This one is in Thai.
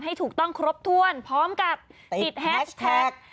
ให้ถูกต้องครบถ้วนพร้อมกับติดแฮชแท็ก